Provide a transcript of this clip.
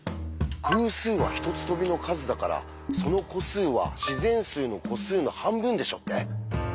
「偶数は１つ飛びの数だからその個数は自然数の個数の半分でしょ」って？